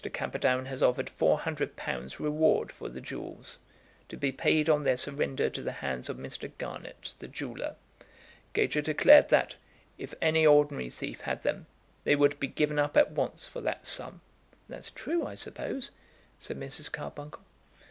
Camperdown has offered four hundred pounds reward for the jewels, to be paid on their surrender to the hands of Mr. Garnett, the jeweller. Gager declared that, if any ordinary thief had them, they would be given up at once for that sum." "That's true, I suppose," said Mrs. Carbuncle.